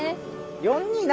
「４２７」